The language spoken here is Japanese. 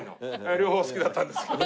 両方好きだったんですけど。